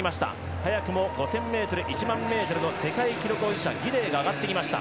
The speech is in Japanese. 早くも５０００ｍ１００００ｍの世界記録保持者ギデイが上がってきました。